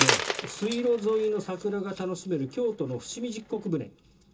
水路沿いの桜が楽しめる京都の伏見十石舟。